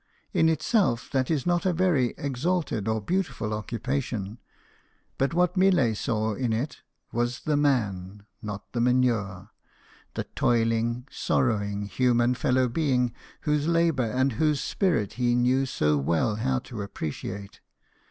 In itself, that is not a very exalted or beautiful occupation ; but what Millet saw in it was the man, not the manure the toiling, sorrowing, human fellow being, whose labour and whose spirit he knew so well how to appreciate.